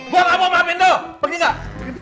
gua gak mau dimaafin lo pergi gak